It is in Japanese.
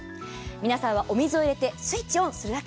皆さんはお水を入れてスイッチオンするだけ。